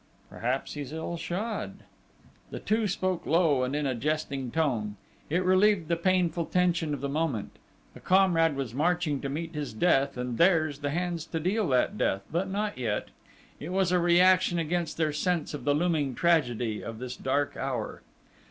"Perhaps he's ill shod!" The two spoke low and in a jesting tone: it relieved the painful tension of the moment a comrade was marching to meet his death, and theirs the hands to deal that death but not yet: it was a reaction against their sense of the looming tragedy of this dark hour!